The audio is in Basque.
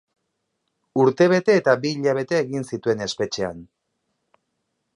Urtebete eta bi hilabete egin zituen espetxean.